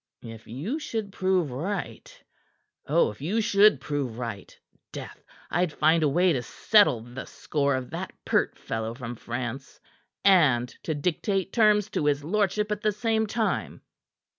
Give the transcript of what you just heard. "If you should prove right! Oh, if you should prove right! Death! I'd find a way to settle the score of that pert fellow from France, and to dictate terms to his lordship at the same time."